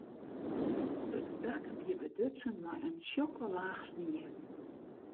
It dak wie bedutsen mei in tsjokke laach snie.